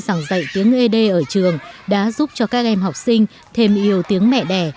giảng dạy tiếng ế đê ở trường đã giúp cho các em học sinh thêm yêu tiếng mẹ đẻ